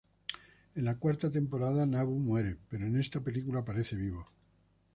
En la cuarta temporada Nabu muere, pero en esta película aparece vivo.